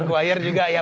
meguair juga ya